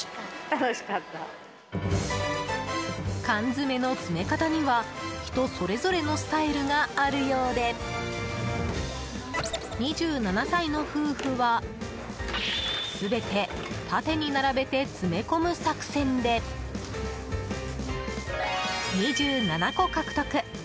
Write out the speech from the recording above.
缶詰の詰め方には人それぞれのスタイルがあるようで２７歳の夫婦は全て縦に並べて詰め込む作戦で２７個獲得。